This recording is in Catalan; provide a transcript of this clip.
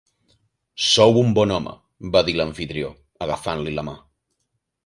"Sou un bon home" va dir l'amfitrió, agafant-li la mà.